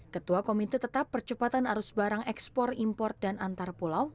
ketua komite tetap percepatan arus barang ekspor impor dan antar pulau